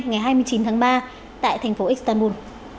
ngày hai mươi chín tháng ba tại thành phố istanbul